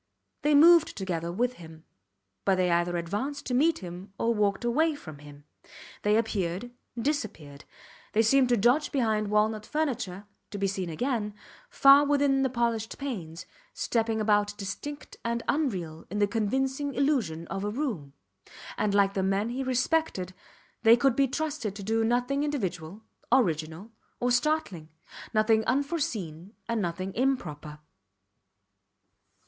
They moved together with him; but they either advanced to meet him, or walked away from him; they appeared, disappeared; they seemed to dodge behind walnut furniture, to be seen again, far within the polished panes, stepping about distinct and unreal in the convincing illusion of a room. And like the men he respected they could be trusted to do nothing individual, original, or startling nothing unforeseen and nothing improper.